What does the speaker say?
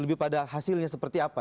lebih pada hasilnya seperti apa